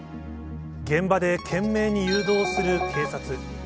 現場で懸命に誘導する警察。